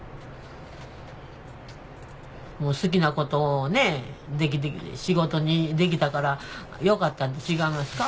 もう好きなことを仕事にできたからよかったんと違いますか？